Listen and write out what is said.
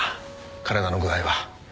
体の具合は？